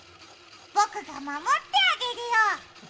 僕が守ってあげるよ。